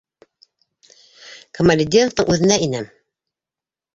Камалетдиновтың үҙенә инәм!